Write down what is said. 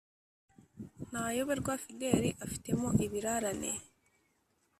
ntayoberwa fidele afitemo ibirarane